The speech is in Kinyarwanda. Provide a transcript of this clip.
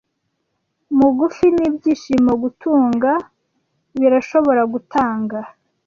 Mugufi nibyishimo gutunga birashobora gutanga,